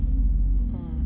うん。